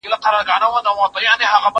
دا فکر له هغه مهم دی!.